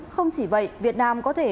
không chỉ vậy việt nam có thể